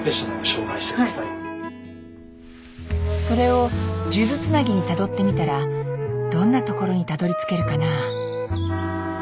それを数珠つなぎにたどってみたらどんなところにたどりつけるかなあ。